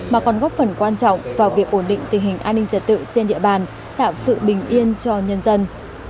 mà còn góp phần quan trọng vào việc ổn định tình hình an ninh trật tự trên địa bàn tạo sự bình yên cho nhân dân